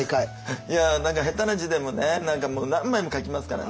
いや何か下手な字でもね何かもう何枚も書きますからね。